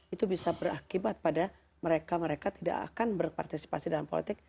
itu bisa berakibat pada mereka mereka tidak akan berpartisipasi dalam politik